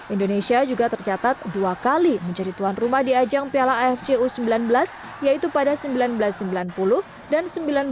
indonesia juga tercatat dua kali menjadi tuan rumah di ajang piala afc u sembilan belas yaitu pada seribu sembilan ratus sembilan puluh dan seribu sembilan ratus sembilan puluh